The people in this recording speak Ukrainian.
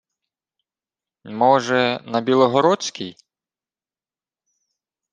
— Може, на білогородській?